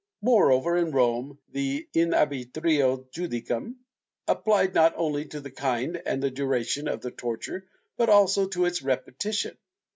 Moreover in Rome the in arhitrio judicum applied not only to the kind and duration of the torture but also to its repetition.